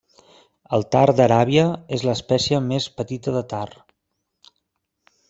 El tar d'Aràbia és l'espècie més petita de tar.